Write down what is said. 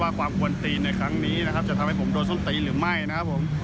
ความกวนตีนในครั้งนี้นะครับจะทำให้ผมโดนส้นตีหรือไม่นะครับผม